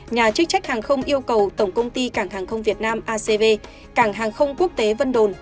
nhà chức trách hàng không yêu cầu tổng công ty cảng hàng không việt nam acv cảng hàng không quốc tế vân đồn